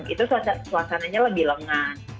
itu suasananya lebih lengan